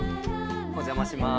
お邪魔します。